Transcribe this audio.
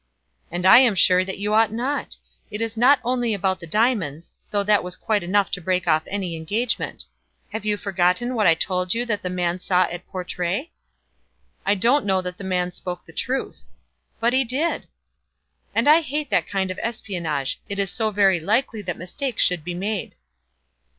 "And I am sure that you ought not. It is not only about the diamonds, though that was quite enough to break off any engagement. Have you forgotten what I told you that the man saw at Portray?" "I don't know that the man spoke the truth." "But he did." "And I hate that kind of espionage. It is so very likely that mistakes should be made."